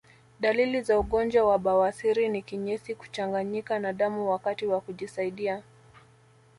Dalili za ugonjwa wa bawasiri ni Kinyesi kuchanganyika na damu wakati wa kujisaidia